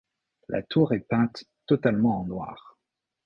La tour est peinte totalement en noir.